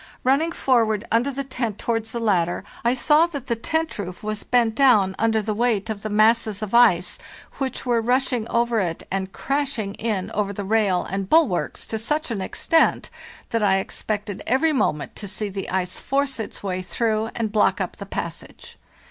Running forward under the tent towards the ladder, I saw that the tent roof was bent down under the weight of the masses of 56 FARTHEST NORTH ice, which were rushing over it and crashing in over the rail and bulwarks to such an extent that I expected every moment to see the ice force its way through and block up the passage.